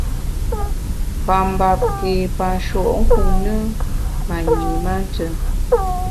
Pa mbap ké pa nshùenkun ne, ma nyi mantùm.